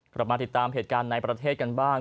กลับมาติดตามเหตุการณ์ในประเทศกันบ้าง